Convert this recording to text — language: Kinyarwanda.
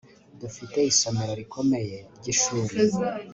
Dufite isomero rikomeye ryishuri